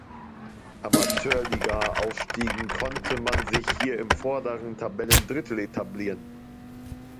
Amateurliga aufstiegen, konnte man sich hier im vorderen Tabellendrittel etablieren.